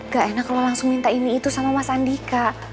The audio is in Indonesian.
gak enak kalau langsung minta ini itu sama mas andika